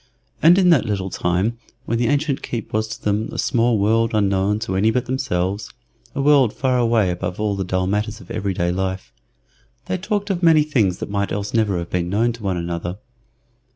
And in that little time, when the ancient keep was to them a small world unknown to any but themselves a world far away above all the dull matters of every day life they talked of many things that might else never have been known to one another.